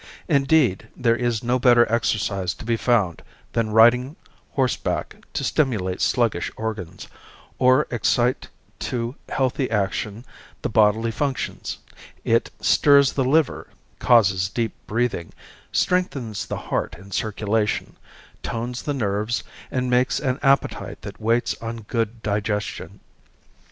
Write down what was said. Indeed, there is no better exercise to be found than riding horseback to stimulate sluggish organs, or excite to healthy action the bodily functions. It stirs the liver, causes deep breathing, strengthens the heart and circulation, tones the nerves and makes an appetite that waits on good digestion.